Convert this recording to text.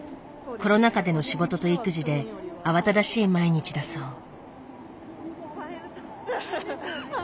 コロナ禍での仕事と育児で慌ただしい毎日だそう。